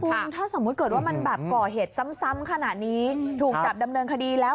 คุณถ้าสมมุติเกิดว่ามันแบบก่อเหตุซ้ำขนาดนี้ถูกจับดำเนินคดีแล้ว